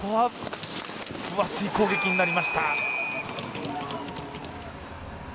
分厚い攻撃になりました。